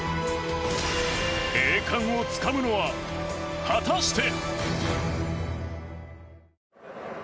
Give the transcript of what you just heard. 栄冠をつかむのは果たして。